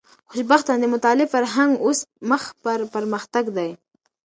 خوشبختانه، د مطالعې فرهنګ اوس مخ پر پرمختګ دی.